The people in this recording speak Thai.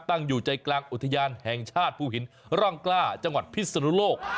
ตั้งอยู่ใจกลางอุทยานแห่งชาติภูหินร่องกล้าจังหวัดพิศนุโลก